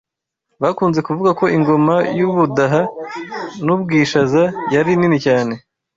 Bakunze kuvuga ko Ingoma y’u Budaha n’u Bwishaza yari nini cyane